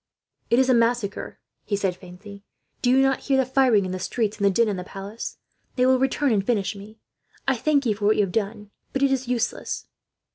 "'"It is a massacre," he said, faintly. "Do you not hear the firing in the streets, and the din in the palace? They will return and finish me. I thank you for what you have done, but it is useless."